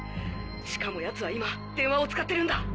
しかも奴は今電話を使ってるんだ！